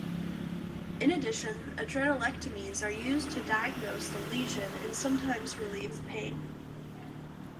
In addition, adrenalectomies are used to diagnose the lesion and sometimes relieve pain.